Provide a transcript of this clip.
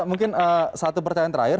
mungkin satu pertanyaan terakhir